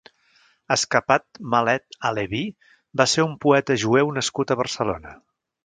Escapat Malet ha-Leví va ser un poeta jueu nascut a Barcelona.